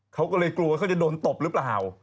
เขาก็เลยกลัวเขาจะโดนตบหรือเปล่า